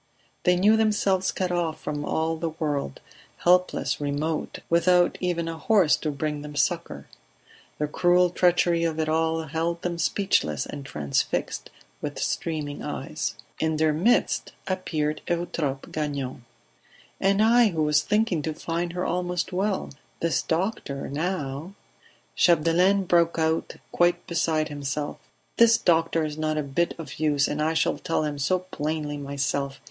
They knew themselves cut off from all the world, helpless, remote, without even a horse to bring them succour. The cruel treachery of it all held them speechless and transfixed, with streaming eyes. In their midst appeared Eutrope Gagnon. "And I who was thinking to find her almost well. This doctor, now ..." Chapdelaine broke out, quite beside himself: "This doctor is not a bit of use, and I shall tell him so plainly, myself.